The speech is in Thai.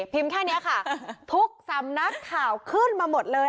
แค่นี้ค่ะทุกสำนักข่าวขึ้นมาหมดเลย